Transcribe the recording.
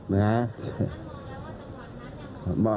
นะฮะ